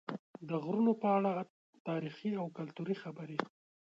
د غرونو په اړه تاریخي او کلتوري خبرې